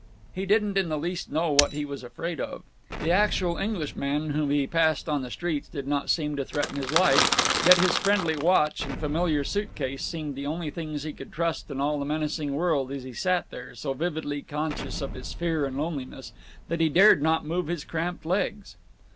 He didn't in the least know what he was afraid of. The actual Englishman whom he passed on the streets did not seem to threaten his life, yet his friendly watch and familiar suit case seemed the only things he could trust in all the menacing world as he sat there, so vividly conscious of his fear and loneliness that he dared not move his cramped legs.